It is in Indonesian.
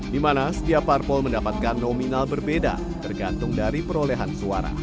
di mana setiap parpol mendapatkan nominal berbeda tergantung dari perolehan suara